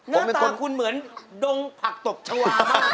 หน้าตาคุณเหมือนดงผักตกชวาน